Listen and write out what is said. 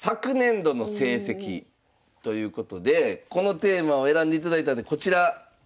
ということでこのテーマを選んでいただいたんでこちら。